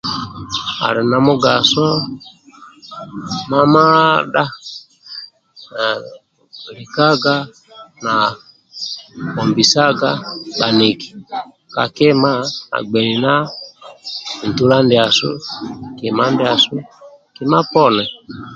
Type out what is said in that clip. Ali na mugaso mamadha na na likaga na bisaga bhaniki ka kima na gbeina na ntula ndiasu kima ndiasu kima poni